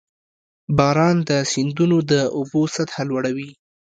• باران د سیندونو د اوبو سطحه لوړوي.